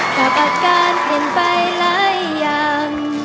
กะปัดกาลเป็นไปหลายอย่าง